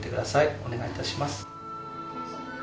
お願いいたします。